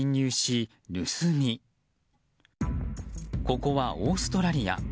ここはオーストラリア。